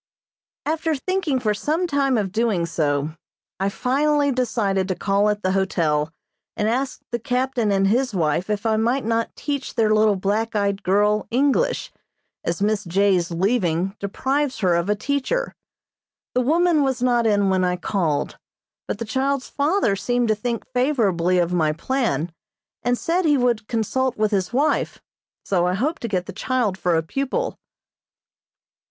After thinking for some time of doing so, I finally decided to call at the hotel and ask the captain and his wife if I might not teach their little black eyed girl English, as Miss J.'s leaving deprives her of a teacher. The woman was not in when I called, but the child's father seemed to think favorably of my plan, and said he would consult with his wife, so I hope to get the child for a pupil.